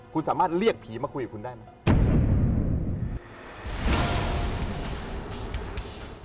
คุณสามารถเรียกผีมาคุยกับคุณได้ไหม